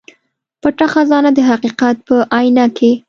پټه خزانه د حقيقت په اينه کې